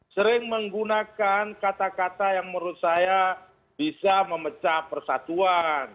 sering menggunakan kata kata yang menurut saya bisa memecah persatuan